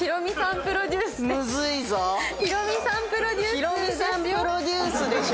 ヒロミさんプロデュースですよ。